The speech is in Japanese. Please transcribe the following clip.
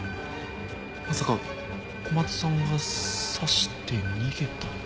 まさか小松さんが刺して逃げた？